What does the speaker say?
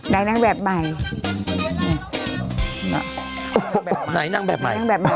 ใครนางแบบใหม่